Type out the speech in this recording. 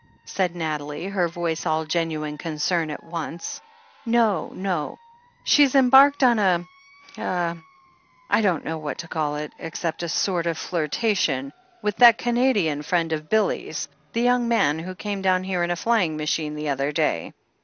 said Nathalie, her voice all genuine concern at once. "No, no. She's embarked on a — ^a — I don't know what to call it, except a sort of flirtation — ^with that Canadian friend of Billy's, the young man who came down here in a flying machine the other day."